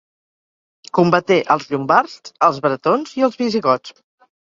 Combaté els llombards, els bretons i els visigots.